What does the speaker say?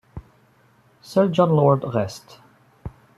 Seul Jon Lord reste.